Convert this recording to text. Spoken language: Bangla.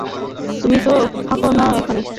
তুমি তো থাকো না এখানে।